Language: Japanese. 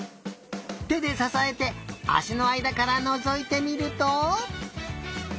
てでささえてあしのあいだからのぞいてみると？